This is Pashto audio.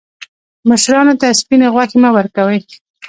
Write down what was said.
مشرانو ته سپیني غوښي مه ورکوئ.